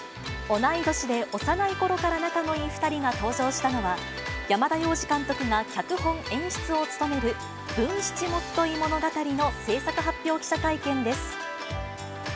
同い年で幼いころから仲のいい２人が登場したのは、山田洋次監督が脚本・演出を務める文七元結物語の制作発表記者会見です。